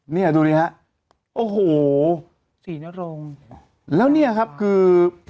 เนี่ยดูดิฮะโอ้โหศรีนรงค์แล้วเนี่ยครับคือ